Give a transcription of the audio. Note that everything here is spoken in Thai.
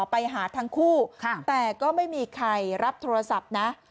ไปหาทั้งคู่แต่ก็ไม่มีใครรับโทรศัพท์นะ